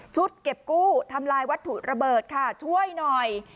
เก็บกู้ทำลายวัตถุระเบิดค่ะช่วยหน่อย